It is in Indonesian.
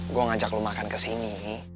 gue ngajak lo makan kesini